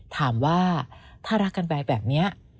ถามว่าถ้ารักกันไปแบบนี้